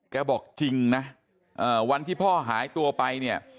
บอกจริงนะวันที่พ่อหายตัวไปเนี่ย